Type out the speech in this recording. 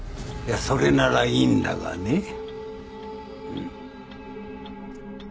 いやそれならいいんだがね。